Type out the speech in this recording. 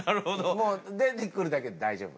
もう出てくるだけで大丈夫。